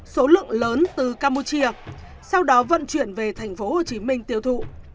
số lượng lớn từ campuchia sau đó vận chuyển về tp hcm tiêu thụ